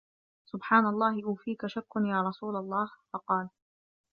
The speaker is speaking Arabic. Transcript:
سُبْحَانَ اللَّهِ أَوَفِيكَ شَكٌّ يَا رَسُولَ اللَّهِ ؟ فَقَالَ